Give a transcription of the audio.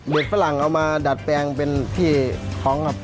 ฝรั่งเอามาดัดแปลงเป็นที่ท้องครับ